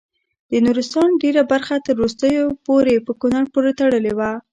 د نورستان ډیره برخه تر وروستیو پورې په کونړ پورې تړلې وه.